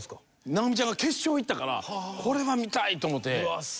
なおみちゃんが決勝行ったからこれは見たい！と思って。